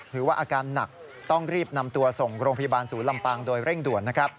ว่าอาการหนักต้องรีบนำตัวส่งโรงพยาบาลศูนย์ลำปางโดยเร่งด่วนนะครับ